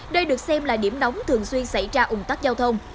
đây được xem là điểm nóng thường xuyên xảy ra ủng tắc giao thông